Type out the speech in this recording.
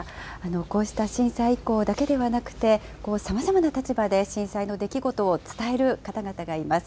こうした震災遺構だけではなくて、さまざまな立場で震災の出来事を伝える方々がいます。